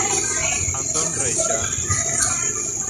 Antón Reixa.